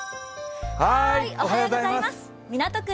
港区